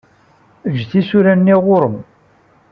Ejj tisura-nni ɣur-m.